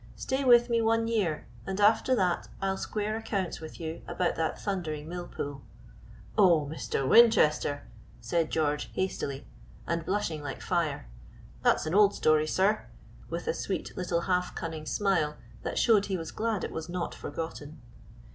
Stay with me one year, and after that I'll square accounts with you about that thundering millpool." "Oh! Mr. Winchester," said George, hastily and blushing like fire, "that's an old story, sir?" with a sweet little half cunning smile that showed he was glad it was not forgotten.